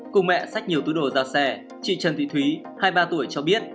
cùng mẹ xách nhiều túi đồ ra xe chị trần thị thúy hai mươi ba tuổi cho biết